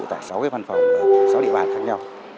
tại sáu văn phòng sáu địa bàn khác nhau